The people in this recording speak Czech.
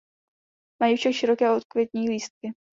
Mají však široké okvětní lístky.